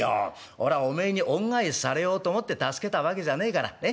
俺はおめえに恩返しされようと思って助けたわけじゃねえからねっ。